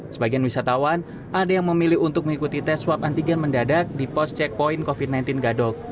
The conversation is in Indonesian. sebagian wisatawan ada yang memilih untuk mengikuti tes swab antigen mendadak di pos checkpoint covid sembilan belas gadok